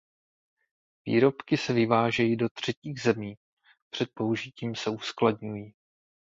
Výrobky se vyvážejí do třetích zemí, před použitím se uskladňují.